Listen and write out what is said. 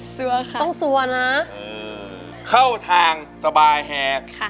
ซัวร์ค่ะต้องซัวร์น่ะเออเข้าทางสบายแหงค่ะ